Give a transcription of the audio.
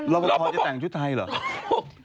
รอปภจะแต่งชุดไทยเหรอ